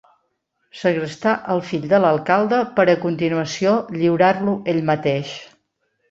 Segrestar el fill de l'alcalde per a continuació lliurar-lo ell mateix.